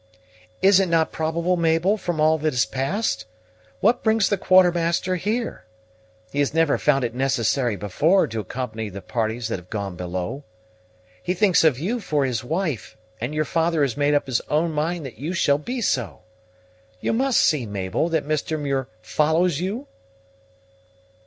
"Is it not probable, Mabel, from all that has passed? What brings the Quartermaster here? He has never found it necessary before to accompany the parties that have gone below. He thinks of you for his wife; and your father has made up his own mind that you shall be so. You must see, Mabel, that Mr. Muir follows _you?